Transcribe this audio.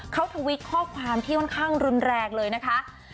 เขาทวิตข้อความที่ค่อนข้างรุนแรงเลยนะคะ